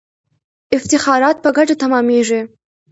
افتخارات په ګټه تمامیږي.